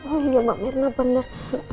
oh iya mbak merna benar